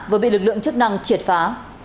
vừa bị lực lượng chức năng triệt phá